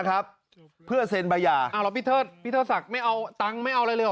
ครับเพื่อเซ็นบรรยาพี่เทิดพี่เทิดศักดิ์ไม่เอาตังค์ไม่เอาอะไร